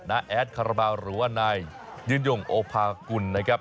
แอดคาราบาลหรือว่านายยืนยงโอภากุลนะครับ